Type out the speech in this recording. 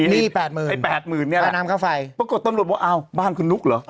นี่๘๐๐๐๐บาทไอ้๘๐๐๐๐บาทเนี่ยประกอบต้นรวมว่าอ้าวบ้านคุณนุกเหรอ